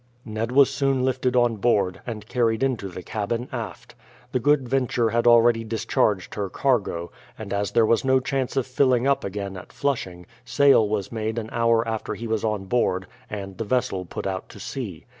Ned was soon lifted on board, and carried into the cabin aft. The Good Venture had already discharged her cargo, and, as there was no chance of filling up again at Flushing, sail was made an hour after he was on board, and the vessel put out to sea.